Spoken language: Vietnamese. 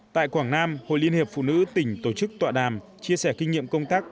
tại quảng nam hội liên hiệp phụ nữ tỉnh tổ chức tọa đàm chia sẻ kinh nghiệm công tác